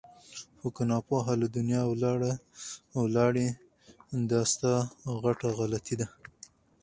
خو که ناپوه له دنیا ولاړې دا ستا غټه غلطي ده!